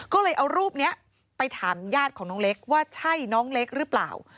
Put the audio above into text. ก็เลยเอารูปนี้ไปถามญาติของน้องเล็กว่าใช่น้องเล็กหรือเปล่า